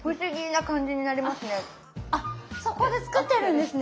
あっそこで作ってるんですね？